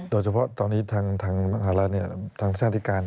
โดยเฉพาะตอนนี้ทางอาหารทางที่อาทิการ